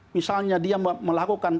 misalnya dia melakukan